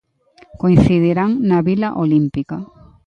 Coincidirán na vila olímpica.